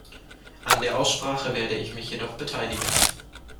An der Aussprache werde ich mich jedoch beteiligen.